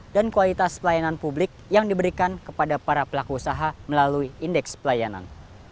dan kualitas pelayanan publik yang diberikan kepada para pelaku usaha melalui indeks pelayanan